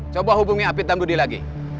coba hubungi api tambudi lagi